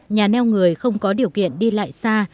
nhà neo người không có điều kiện đi lại xa